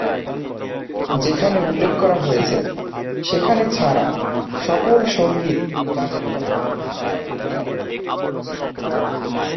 যেখানে উল্লেখ করা হয়েছে সেখানে ছাড়া সকল সঙ্গীত এবং গানের কথা জন ব্রিওনের।